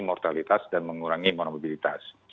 mortalitas dan mengurangi morabilitas